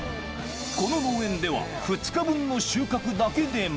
この農園では、２日分の収穫だけでも。